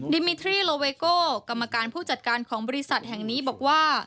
ดิมิทรี่โลเวโกกรรมการผู้จัดการของบริษัทแห่งนี้บอกว่า